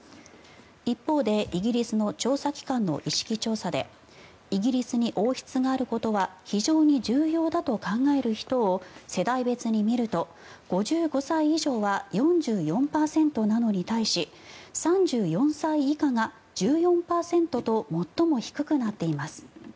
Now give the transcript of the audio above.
一方でイギリスの調査機関の意識調査でイギリスに王室があることは非常に重要だと考える人を世代別に見ると５５歳以上は４４％なのに対し３４歳以下が１４％と最も低くなっています。